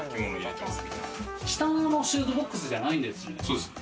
シューズボックスじゃないんですね。